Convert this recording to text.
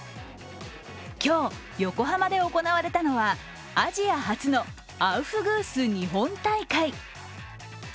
今日横浜で行われたのはアジア初のアウフグース日本大会。